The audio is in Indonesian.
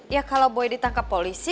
ya kalau boleh ditangkap polisi